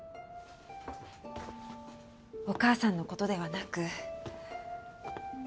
お母さんの事ではなく。